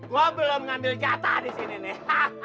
gue belum ambil jatah di sini nih